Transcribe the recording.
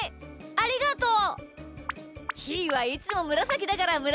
ありがとう。